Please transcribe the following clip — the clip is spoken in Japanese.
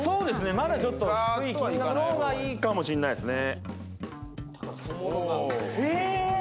まだちょっと低い金額の方がいいかもしんないですね。